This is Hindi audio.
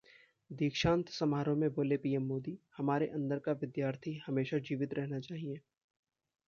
दीक्षांत समारोह में बोले पीएम मोदी- हमारे अंदर का विद्यार्थी हमेशा जीवित रहना चाहिए